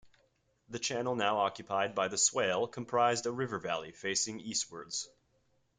The channel now occupied by the Swale comprised a river valley facing eastwards.